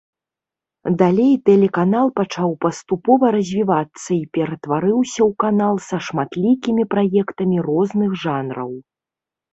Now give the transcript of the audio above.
Далей тэлеканал пачаў паступова развівацца і ператварыўся ў канал са шматлікімі праектамі розных жанраў.